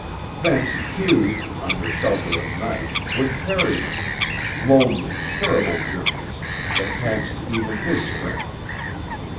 Thence Hugh, under shelter of night, would carry them lonely, terrible journeys that taxed even his strength.